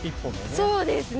そうですね